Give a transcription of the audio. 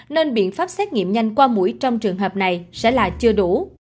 nên biện pháp xét nghiệm nhanh qua mũi trong trường hợp này sẽ là chưa đủ